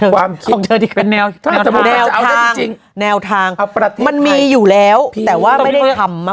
ความคิดเป็นแนวทางแนวทางมันมีอยู่แล้วแต่ว่าไม่ได้ทำมาก